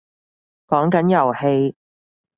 講緊遊戲